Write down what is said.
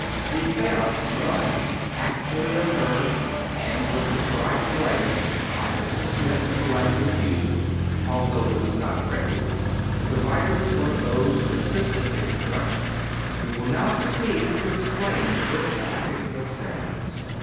The seance described actually occurred and was described in writing by Mr. Smith in the language used, although it was not printed, and the writer was one of those who as sisted in its production. He will now proceed to explain this particular seance.